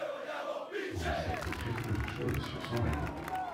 On ne sait que très peu de choses sur son règne.